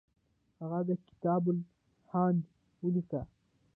هغه د کتاب الهند ولیکه.